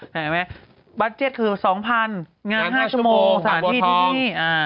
เห็นไหมบัตรเจตคือ๒๐๐๐งาน๕ชั่วโมงสถานที่ที่นี่